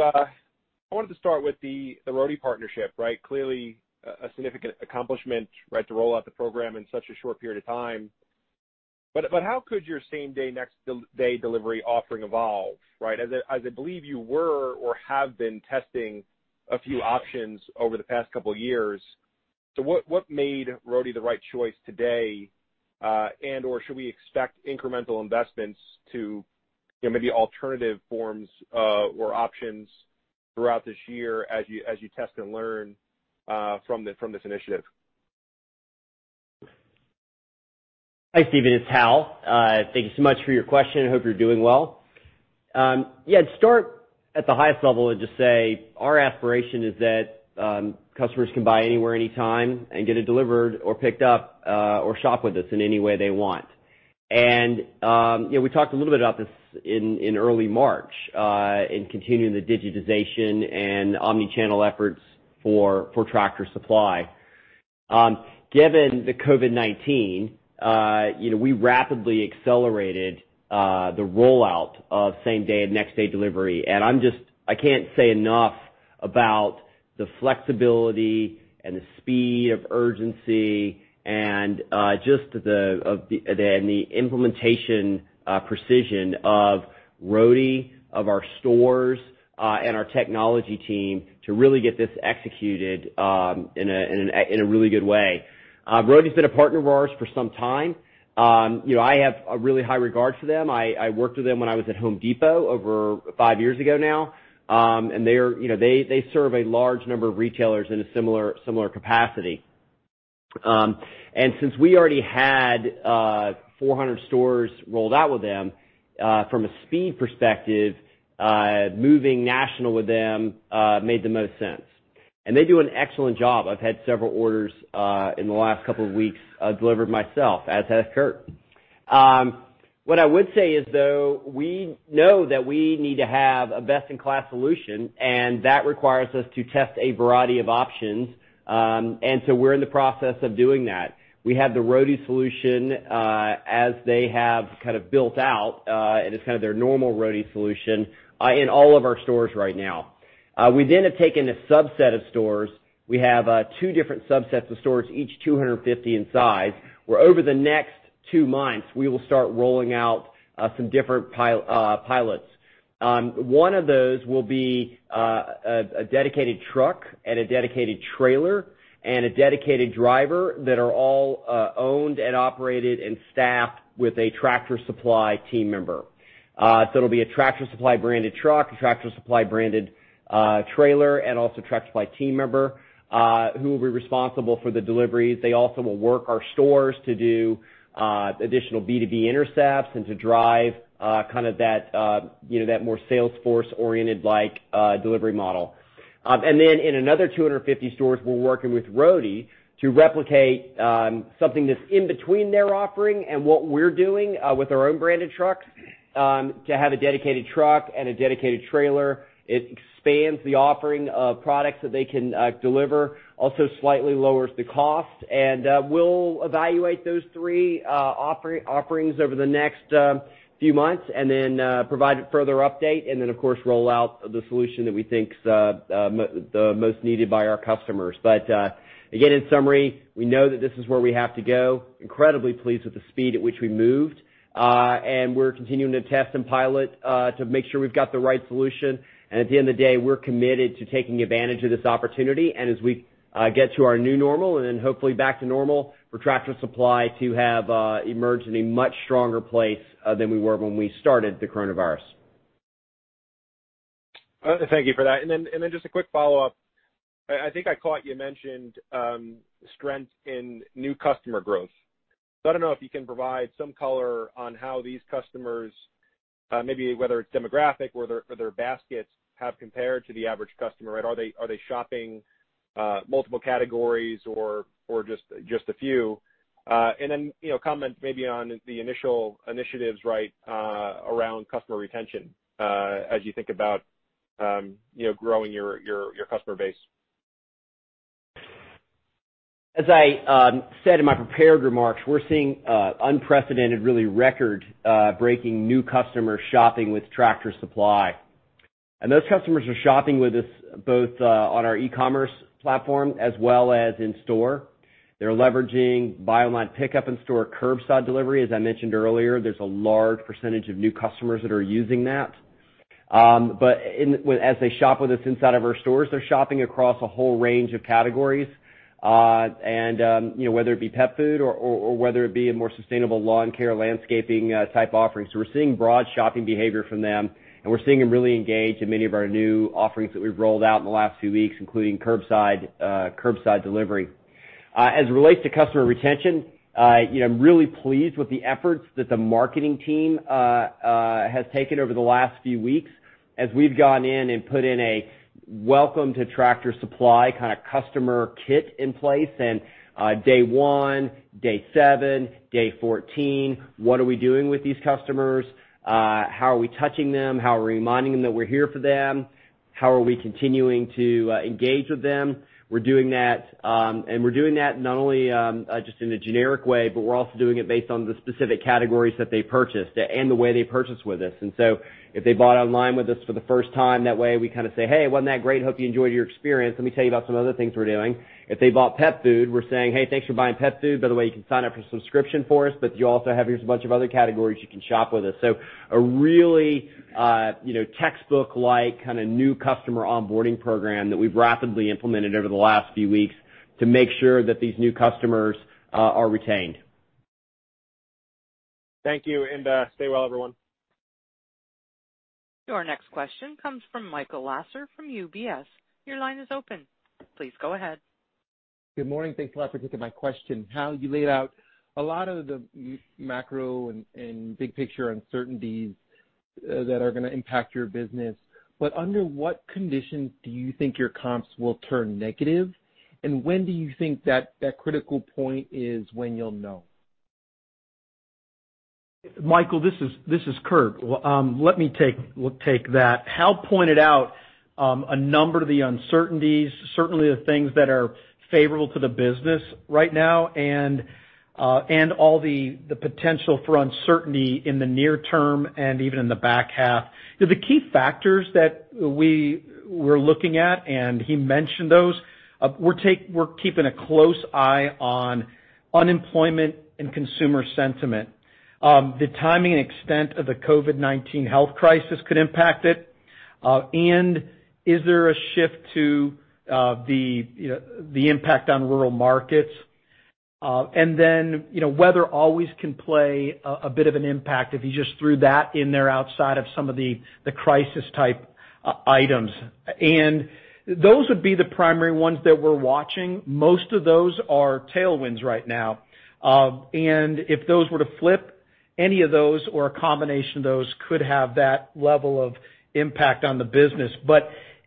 I wanted to start with the Roadie partnership, right? Clearly, a significant accomplishment, right, to roll out the program in such a short period of time. How could your same-day, next-day delivery offering evolve, right? As I believe you were or have been testing a few options over the past couple of years. What made Roadie the right choice today, and/or should we expect incremental investments to maybe alternative forms or options throughout this year as you test and learn from this initiative? Hi, Steven. It's Hal. Thank you so much for your question. I hope you're doing well. Yeah, to start at the highest level and just say our aspiration is that customers can buy anywhere, anytime and get it delivered or picked up or shop with us in any way they want. We talked a little bit about this in early March in continuing the digitization and omni-channel efforts for Tractor Supply. Given the COVID-19, we rapidly accelerated the rollout of same-day and next-day delivery. I can't say enough about the flexibility and the speed of urgency and just the implementation precision of Roadie, of our stores, and our technology team to really get this executed in a really good way. Roadie's been a partner of ours for some time. I have a really high regard for them. I worked with them when I was at Home Depot over five years ago now. They serve a large number of retailers in a similar capacity. Since we already had 400 stores rolled out with them, from a speed perspective, moving national with them made the most sense. They do an excellent job. I've had several orders in the last couple of weeks delivered myself, as has Kurt. What I would say is, though, we know that we need to have a best-in-class solution, and that requires us to test a variety of options. We're in the process of doing that. We have the Roadie solution as they have built out, and it's their normal Roadie solution in all of our stores right now. We have taken a subset of stores. We have two different subsets of stores, each 250 in size, where over the next two months, we will start rolling out some different pilots. One of those will be a dedicated truck and a dedicated trailer and a dedicated driver that are all owned and operated and staffed with a Tractor Supply team member. It'll be a Tractor Supply-branded truck, a Tractor Supply-branded trailer, and also a Tractor Supply team member who will be responsible for the deliveries. They also will work our stores to do additional B2B intercepts and to drive that more salesforce-oriented delivery model. In another 250 stores, we're working with Roadie to replicate something that's in between their offering and what we're doing with our own branded trucks to have a dedicated truck and a dedicated trailer. It expands the offering of products that they can deliver, also slightly lowers the cost. We'll evaluate those three offerings over the next few months and then provide a further update and then, of course, roll out the solution that we think is the most needed by our customers. Again, in summary, we know that this is where we have to go. Incredibly pleased with the speed at which we moved. We're continuing to test and pilot to make sure we've got the right solution. At the end of the day, we're committed to taking advantage of this opportunity, as we get to our new normal and then hopefully back to normal, for Tractor Supply to have emerged in a much stronger place than we were when we started the coronavirus. Thank you for that. Just a quick follow-up. I think I caught you mentioned strength in new customer growth. I don't know if you can provide some color on how these customers, maybe whether it's demographic or their baskets have compared to the average customer. Are they shopping multiple categories or just a few? Comment maybe on the initial initiatives around customer retention as you think about growing your customer base. As I said in my prepared remarks, we're seeing unprecedented, really record-breaking new customers shopping with Tractor Supply. Those customers are shopping with us both on our e-commerce platform as well as in-store. They're leveraging buy online pickup and store curbside delivery. As I mentioned earlier, there's a large percentage of new customers that are using that. As they shop with us inside of our stores, they're shopping across a whole range of categories. Whether it be pet food or whether it be a more sustainable lawn care, landscaping type offering. We're seeing broad shopping behavior from them, and we're seeing them really engaged in many of our new offerings that we've rolled out in the last few weeks, including curbside delivery. As it relates to customer retention, I'm really pleased with the efforts that the marketing team has taken over the last few weeks as we've gone in and put in a welcome to Tractor Supply kind of customer kit in place. Day one, day seven, day 14, what are we doing with these customers? How are we touching them? How are we reminding them that we're here for them? How are we continuing to engage with them? We're doing that, and we're doing that not only just in a generic way, but we're also doing it based on the specific categories that they purchased and the way they purchased with us. If they bought online with us for the first time, that way we say, "Hey, wasn't that great? Hope you enjoyed your experience. Let me tell you about some other things we're doing. If they bought pet food, we're saying, "Hey, thanks for buying pet food. By the way, you can sign up for a subscription for us, but you also have, here's a bunch of other categories you can shop with us." A really textbook-like kind of new customer onboarding program that we've rapidly implemented over the last few weeks to make sure that these new customers are retained. Thank you, and stay well, everyone. Your next question comes from Michael Lasser from UBS. Your line is open. Please go ahead. Good morning. Thanks a lot for taking my question. Hal, you laid out a lot of the macro and big picture uncertainties that are going to impact your business, but under what conditions do you think your comps will turn negative? When do you think that critical point is when you'll know? Michael, this is Kurt. Let me take that. Hal pointed out a number of the uncertainties, certainly the things that are favorable to the business right now and all the potential for uncertainty in the near term and even in the back half. The key factors that we were looking at, and he mentioned those, we're keeping a close eye on unemployment and consumer sentiment. The timing and extent of the COVID-19 health crisis could impact it. Is there a shift to the impact on rural markets? Weather always can play a bit of an impact if you just threw that in there outside of some of the crisis type items. Those would be the primary ones that we're watching. Most of those are tailwinds right now. If those were to flip, any of those or a combination of those could have that level of impact on the business.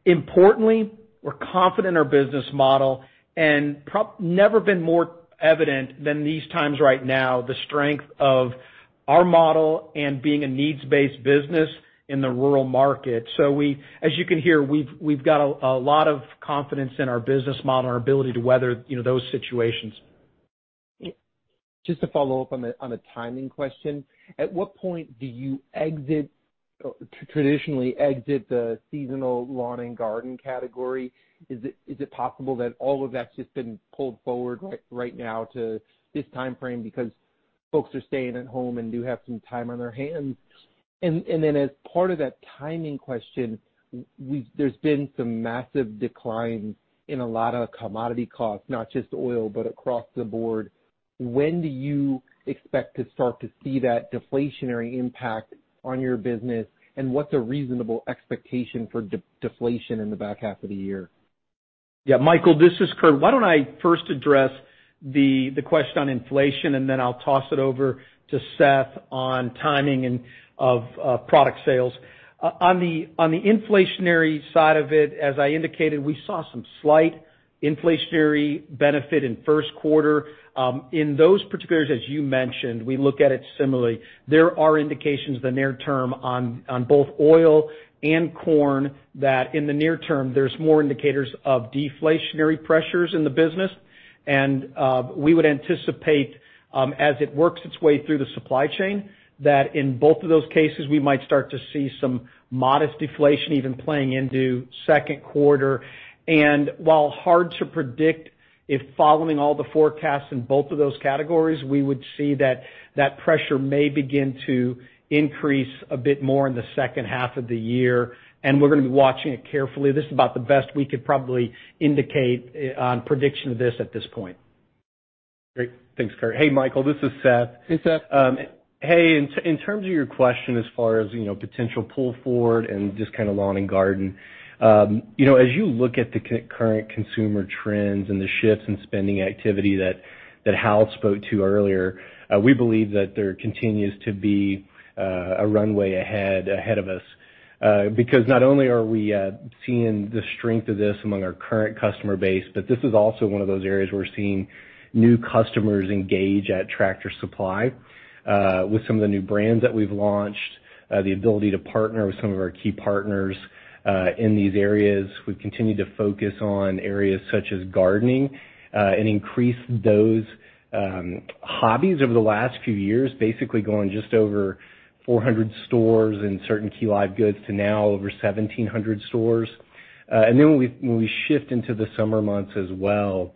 Importantly, we're confident in our business model and never been more evident than these times right now, the strength of our model and being a needs-based business in the rural market. As you can hear, we've got a lot of confidence in our business model and our ability to weather those situations. Just to follow up on the timing question, at what point do you traditionally exit the seasonal lawn and garden category? Is it possible that all of that's just been pulled forward right now to this timeframe because folks are staying at home and do have some time on their hands? As part of that timing question, there's been some massive declines in a lot of commodity costs, not just oil, but across the board. When do you expect to start to see that deflationary impact on your business, and what's a reasonable expectation for deflation in the back half of the year? Yeah, Michael, this is Kurt. Why don't I first address the question on inflation, and then I'll toss it over to Seth on timing of product sales. On the inflationary side of it, as I indicated, we saw some slight inflationary benefit in first quarter. In those particulars, as you mentioned, we look at it similarly. There are indications the near term on both oil and corn, that in the near term, there's more indicators of deflationary pressures in the business. We would anticipate as it works its way through the supply chain, that in both of those cases, we might start to see some modest deflation even playing into second quarter. While hard to predict if following all the forecasts in both of those categories, we would see that that pressure may begin to increase a bit more in the second half of the year. We're going to be watching it carefully. This is about the best we could probably indicate on prediction of this at this point. Great. Thanks, Kurt. Hey, Michael, this is Seth. Hey, Seth. Hey, in terms of your question as far as potential pull forward and just kind of lawn and garden. As you look at the current consumer trends and the shifts in spending activity that Hal spoke to earlier, we believe that there continues to be a runway ahead of us. Not only are we seeing the strength of this among our current customer base, but this is also one of those areas we're seeing new customers engage at Tractor Supply with some of the new brands that we've launched, the ability to partner with some of our key partners in these areas. We've continued to focus on areas such as gardening and increased those hobbies over the last few years, basically going just over 400 stores in certain key live goods to now over 1,700 stores. When we shift into the summer months as well,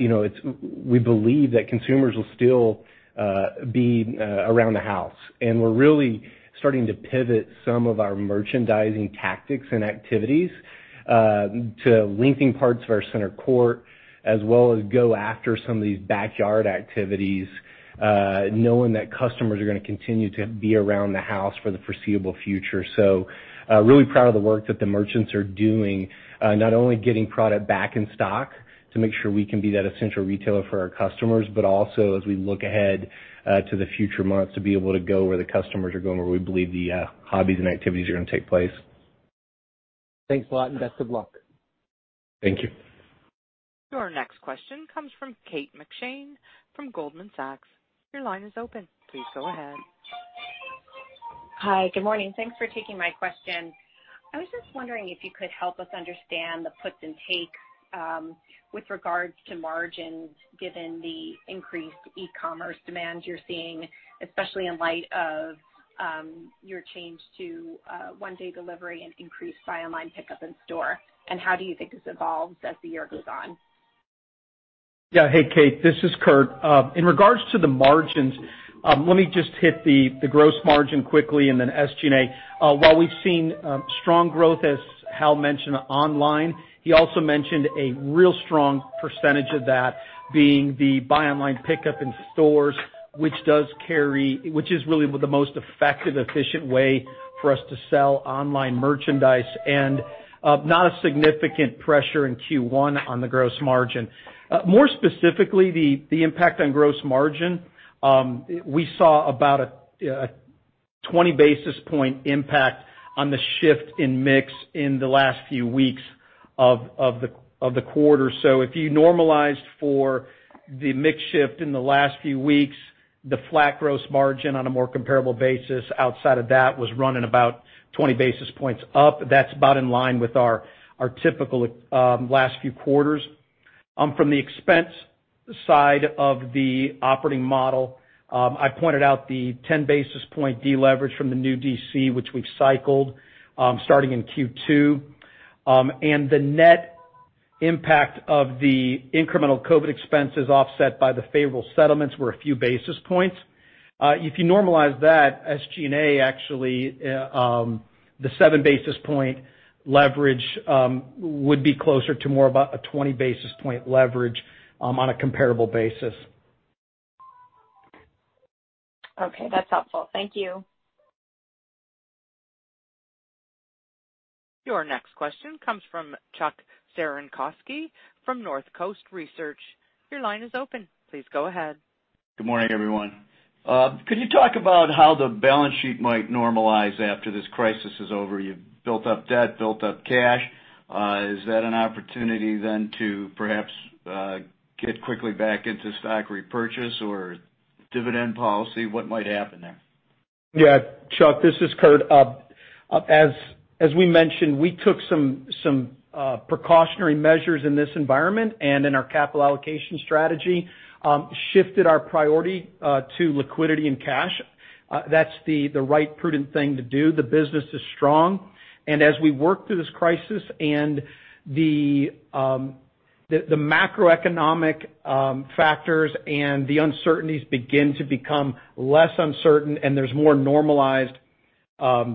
we believe that consumers will still be around the house. We're really starting to pivot some of our merchandising tactics and activities to linking parts of our center court, as well as go after some of these backyard activities, knowing that customers are going to continue to be around the house for the foreseeable future. Really proud of the work that the merchants are doing, not only getting product back in stock to make sure we can be that essential retailer for our customers, but also as we look ahead to the future months, to be able to go where the customers are going, where we believe the hobbies and activities are going to take place. Thanks a lot and best of luck. Thank you. Your next question comes from Kate McShane from Goldman Sachs. Your line is open. Please go ahead. Hi. Good morning. Thanks for taking my question. I was just wondering if you could help us understand the puts and takes with regards to margins, given the increased e-commerce demand you're seeing, especially in light of your change to one-day delivery and increased buy online pickup in store, and how do you think this evolves as the year goes on? Hey, Kate, this is Kurt. In regards to the margins, let me just hit the gross margin quickly and then SG&A. While we've seen strong growth, as Hal mentioned, online. He also mentioned a real strong percentage of that being the buy online pickup in stores, which is really the most effective, efficient way for us to sell online merchandise and not a significant pressure in Q1 on the gross margin. More specifically, the impact on gross margin, we saw about a 20 basis point impact on the shift in mix in the last few weeks of the quarter. If you normalized for the mix shift in the last few weeks, the flat gross margin on a more comparable basis outside of that was running about 20 basis points up. That's about in line with our typical last few quarters. From the expense side of the operating model, I pointed out the 10 basis point deleverage from the new DC, which we've cycled, starting in Q2. The net impact of the incremental COVID expenses offset by the favorable settlements were a few basis points. If you normalize that, SG&A, actually, the 7 basis point leverage would be closer to more about a 20 basis point leverage on a comparable basis. Okay. That's helpful. Thank you. Your next question comes from Chuck Cerankosky from Northcoast Research. Your line is open. Please go ahead. Good morning, everyone. Could you talk about how the balance sheet might normalize after this crisis is over? You've built up debt, built up cash. Is that an opportunity then to perhaps get quickly back into stock repurchase or dividend policy? What might happen there? Yeah. Chuck Cerankosky, this is Kurt. As we mentioned, we took some precautionary measures in this environment and in our capital allocation strategy, shifted our priority to liquidity and cash. That's the right prudent thing to do. The business is strong, and as we work through this crisis and the macroeconomic factors and the uncertainties begin to become less uncertain and there's more normalized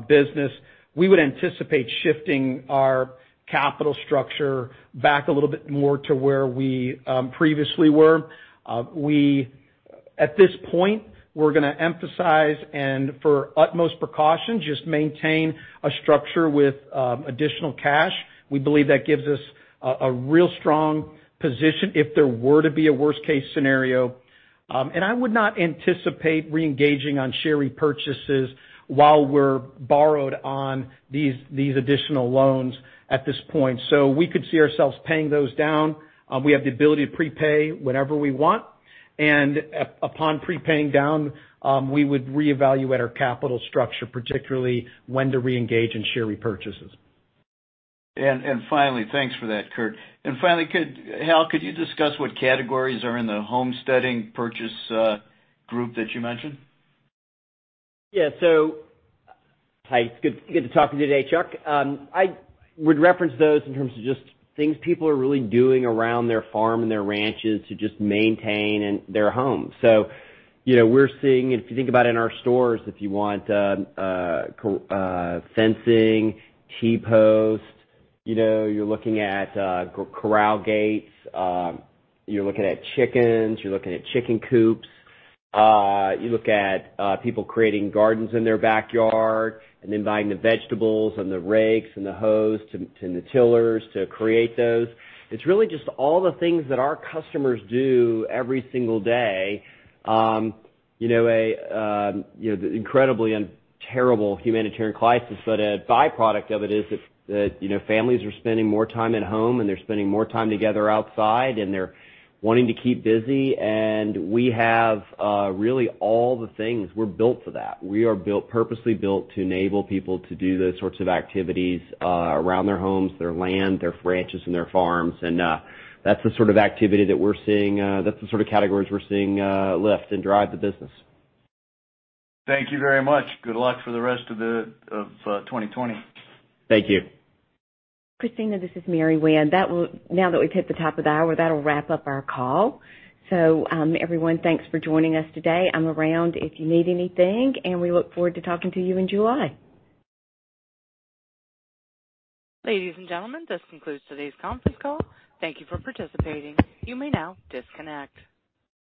business, we would anticipate shifting our capital structure back a little bit more to where we previously were. At this point, we're going to emphasize and for utmost precaution, just maintain a structure with additional cash. We believe that gives us a real strong position if there were to be a worst-case scenario. I would not anticipate reengaging on share repurchases while we're borrowed on these additional loans at this point. We could see ourselves paying those down. We have the ability to prepay whenever we want and upon prepaying down, we would reevaluate our capital structure, particularly when to reengage in share repurchases. Finally, thanks for that, Kurt. Finally, Hal, could you discuss what categories are in the homesteading purchase group that you mentioned? Hi, it's good to talk to you today, Chuck. I would reference those in terms of just things people are really doing around their farm and their ranches to just maintain their homes. We're seeing, if you think about in our stores, if you want fencing, T-posts, you're looking at corral gates, you're looking at chickens, you're looking at chicken coops. You look at people creating gardens in their backyard and then buying the vegetables and the rakes and the hoes to the tillers to create those. It's really just all the things that our customers do every single day. Incredibly and terrible humanitarian crisis, a byproduct of it is that families are spending more time at home and they're spending more time together outside and they're wanting to keep busy, we have really all the things. We're built for that. We are purposely built to enable people to do those sorts of activities around their homes, their land, their ranches, and their farms. That's the sort of activity that we're seeing, that's the sort of categories we're seeing lift and drive the business. Thank you very much. Good luck for the rest of 2020. Thank you. Christina, this is Mary Winn. Now that we've hit the top of the hour, that'll wrap up our call. Everyone, thanks for joining us today. I'm around if you need anything, and we look forward to talking to you in July. Ladies and gentlemen, this concludes today's conference call. Thank you for participating. You may now disconnect.